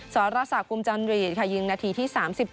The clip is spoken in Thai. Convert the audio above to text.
สรรสากุมจันทรีย์ยิงนาทีที่๓๗